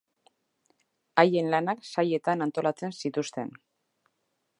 Haien lanak sailetan antolatzen zituzten.